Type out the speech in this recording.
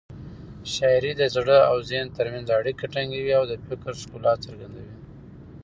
شاعري د زړه او ذهن تر منځ اړیکه ټینګوي او د فکر ښکلا څرګندوي.